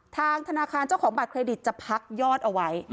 ทางธนาคารเจ้าของบัตรเครดิตจะพักยอดเอาไว้